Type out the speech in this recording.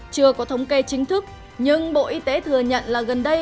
chưa có thống kê chính thức nhưng bộ y tế thừa nhận là gần đây